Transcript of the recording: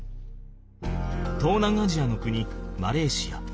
東南アジアの国マレーシア。